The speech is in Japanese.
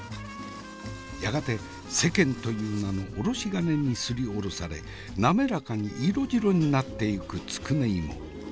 やがて世間という名のおろし金にすりおろされ滑らかに色白になっていくつくね芋。